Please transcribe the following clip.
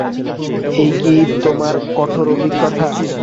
এই কি তোমার কঠোর অভিজ্ঞতা।